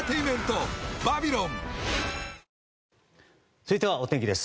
続いては、お天気です。